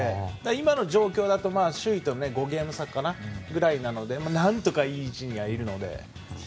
今の状況だと、首位と５ゲーム差ぐらいなので何とか、いい位置に入るので。